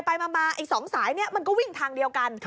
ไปมาอีก๒สายนี้มันก็วิ่งทางเดียวกัน